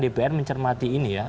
dpr mencermati ini ya